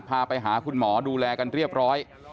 พาไปหาคุณหมอดูแลกันเรียบร้อย